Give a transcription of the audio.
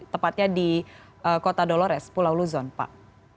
tepatnya di kota dolores pulau luzon pak